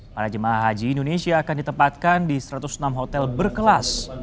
para jemaah haji indonesia akan ditempatkan di satu ratus enam hotel berkelas